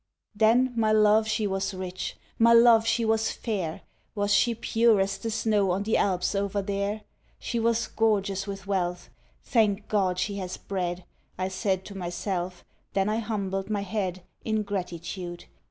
Then, my love she was rich. My love she was fair. Was she pure as the snow on the Alps over there? She was gorgeous with wealth, “Thank God, she has bread,” I said to myself. Then I humbled my head In gratitude.